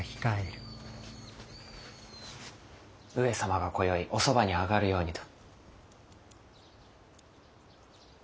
上様が今宵おそばに上がるようにと。